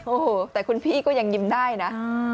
โอ้โหแต่คุณพี่ก็ยังยิ้มได้นะ